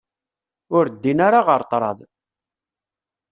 Ur ddin ara ɣer ṭraḍ